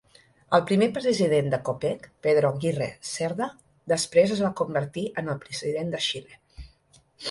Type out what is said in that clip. El primer president de Copec, Pedro Aguirre Cerda, després es va convertir en el president de Xile.